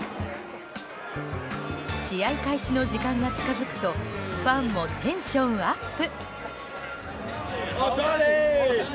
試合開始の時間が近づくとファンもテンションアップ。